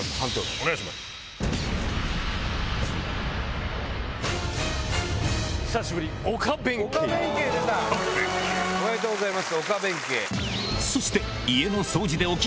おめでとうございます！